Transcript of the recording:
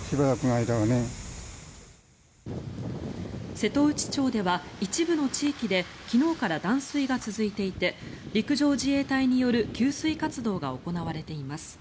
瀬戸内町では一部の地域で昨日から断水が続いていて陸上自衛隊による給水活動が行われています。